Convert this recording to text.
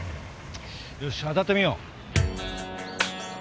よし当たってみよう。